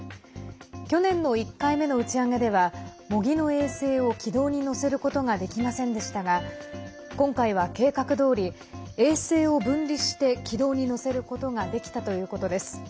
去年の１回目の打ち上げでは模擬の衛星を軌道に乗せることができませんでしたが今回は計画どおり衛星を分離して軌道に乗せることができたということです。